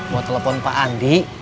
mau telepon pak andi